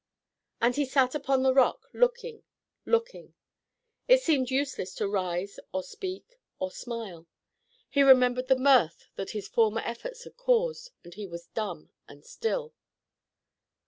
And he sat upon the rock looking, looking. It seemed useless to rise or speak or smile; he remembered the mirth that his former efforts had caused, and he was dumb and still.